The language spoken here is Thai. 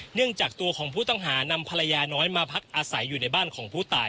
เนื่องจากตัวของผู้ต้องหานำภรรยาน้อยมาพักอาศัยอยู่ในบ้านของผู้ตาย